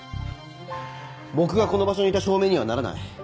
僕がこの場所にいた証明にはならない。